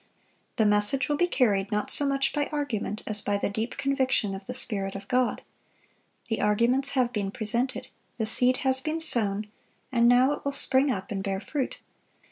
The message will be carried not so much by argument as by the deep conviction of the Spirit of God. The arguments have been presented. The seed has been sown, and now it will spring up and bear fruit.